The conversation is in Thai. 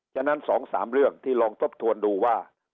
ฉะนั้น๒๓เรื่องที่ลองทบทวนดูว่า